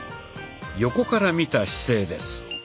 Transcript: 横から見た姿勢です。